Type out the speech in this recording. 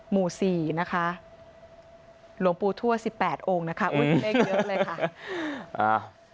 หมู่สี่นะคะหลวงปู่ทั่วสิบแปดองค์นะคะอุ้ยเลขเยอะเลยค่ะ